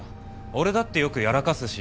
俺だってよくやらかすし。